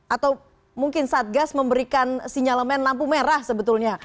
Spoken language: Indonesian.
atau mungkin satgas memberikan sinyalemen lampu merah sebetulnya